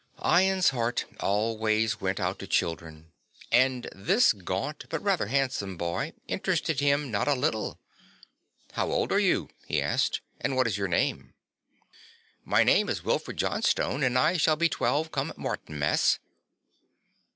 Ian's heart always went out to children and this gaunt but rather handsome boy interested him not a little. "How old are you," he asked, "and what is your name?" "My name is Wilfred Johnstone and I shall be twelve come Martinmas."